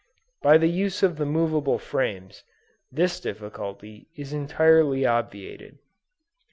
By the use of the movable frames, this difficulty is entirely obviated.